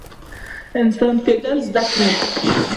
انسان کیدل زده کړئ